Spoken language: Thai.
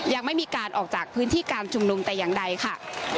ยังไม่มีการออกจากพื้นที่การชุมนุมแต่อย่างใดค่ะ